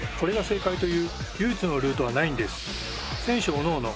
おのおの